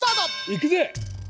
いくぜ！